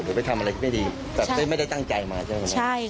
หรือไปทำอะไรไม่ดีแต่ไม่ได้ตั้งใจมาใช่ไหม